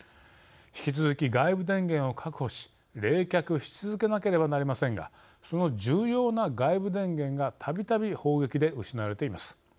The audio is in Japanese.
引き続き、外部電源を確保し冷却し続けなければなりませんがその重要な外部電源がたびたび砲撃で失われています。